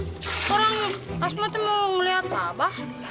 orang asmatnya mau ngeliat apa